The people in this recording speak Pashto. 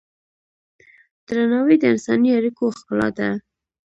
درناوی د انساني اړیکو ښکلا ده.